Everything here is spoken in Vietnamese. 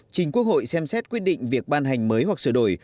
trình quốc hội xem xét quyết định việc ban hành mới hoặc sửa đổi